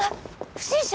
不審者？